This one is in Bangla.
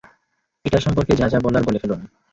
এটার সম্পর্কে যা যা বলার বলে ফেলুন!